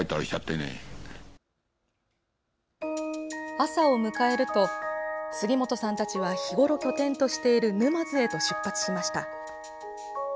朝を迎えると杉本さんたちは日ごろ拠点としている沼津へと出発しました。